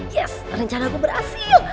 yes rencana aku berhasil